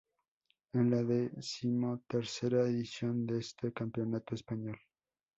Es la decimotercera edición de este campeonato español.